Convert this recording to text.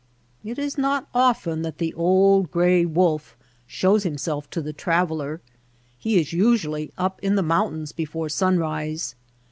It is not often that the old gray wolf shows himself to the traveller. He is usually up in the mountains before sunrise.